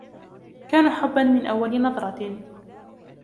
كان حبًّا من أوّل نظرة.